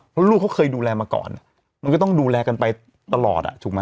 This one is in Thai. เพราะลูกเขาเคยดูแลมาก่อนมันก็ต้องดูแลกันไปตลอดอ่ะถูกไหม